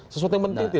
sesuatu yang penting